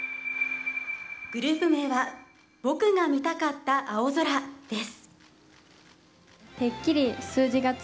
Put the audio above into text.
グループ名は僕が見たかった青空です。